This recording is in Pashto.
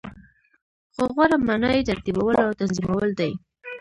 خو غوره معنا یی ترتیبول او تنظیمول دی .